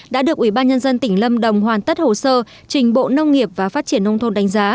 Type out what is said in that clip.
đã được ủy ban nhân dân tỉnh lâm đồng hoàn tất hồ sơ trình bộ nông nghiệp và phát triển nông thôn đánh giá